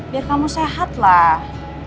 biar kamu sehat lah